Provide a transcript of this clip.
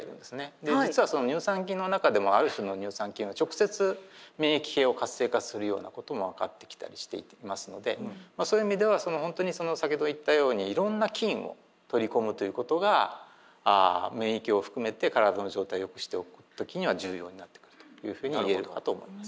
で実はその乳酸菌の中でもある種の乳酸菌は直接免疫系を活性化するようなことも分かってきたりしていますのでそういう意味では本当に先ほど言ったようにいろんな菌を取り込むということが免疫を含めて体の状態をよくしておく時には重要になってくるというふうに言えるのかと思います。